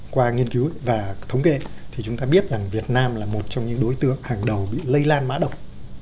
qua nghiên cứu và thống kê thì chúng ta biết rằng việt nam là một trong những đối tượng hàng đầu bị lây lan mã độc